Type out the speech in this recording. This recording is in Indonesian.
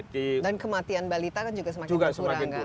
dan kematian balita kan juga semakin berkurang